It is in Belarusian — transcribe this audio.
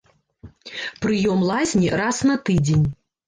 Прыём лазні раз на тыдзень.